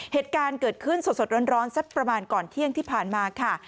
เหตุการณ์เกิดขึ้นสดร้อนสักประมาณก่อนเที่ยงที่ผ่านมาค่ะ